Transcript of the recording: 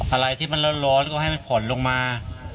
อะไรที่มันร้อนก็ให้มันผลลงมา